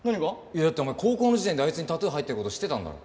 いやだってお前高校の時点であいつにタトゥー入ってる事知ってたんだろ？